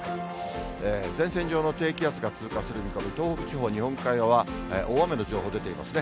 前線上の低気圧が通過する見込み、東北地方、日本海側、大雨の情報出ていますね。